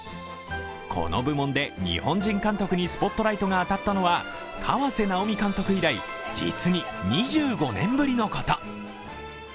この部門で日本人監督にスポットライトが当たったのは河瀬直美監督以来実に２５年ぶりのこと。